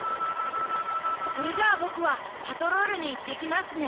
それじゃあボクはパトロールにいってきますね。